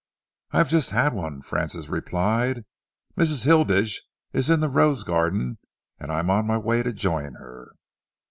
"I have just had one," Francis replied. "Mrs. Hilditch is in the rose garden and I am on my way to join her."